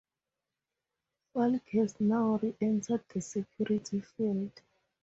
Falck has now re-entered the security field.